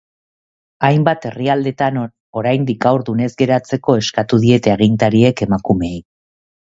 Hainbat herrialdetan, oraindik haurdun ez geratzeko eskatu diete agintariek emakumeei.